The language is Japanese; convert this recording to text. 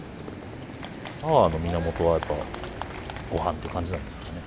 ◆パワーの源はやっぱりごはんって感じなんですかね。